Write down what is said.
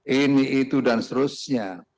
ini itu dan seterusnya